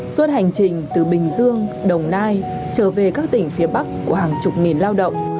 suốt hành trình từ bình dương đồng nai trở về các tỉnh phía bắc của hàng chục nghìn lao động